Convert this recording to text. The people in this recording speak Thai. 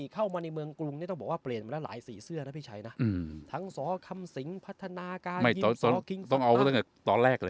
เข้ามาในเมืองกรุงนี่ต้องบอกว่าเปลี่ยนมาแล้วหลายสีเสื้อนะพี่ชัยนะทั้งสอคำสิงพัฒนาการสคิงต้องเอาตั้งแต่ตอนแรกเลย